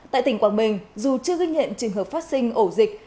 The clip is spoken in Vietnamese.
tại tỉnh quảng bình dù chưa ghi nhận trường hợp phát sinh ổ dịch